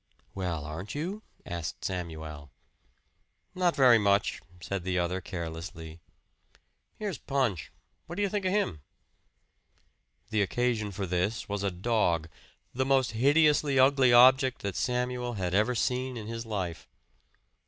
"Well, aren't you?" asked Samuel. "Not very much," said the other carelessly. "Here's Punch what do you think of him?" The occasion for this was a dog, the most hideously ugly object that Samuel had ever seen in his life.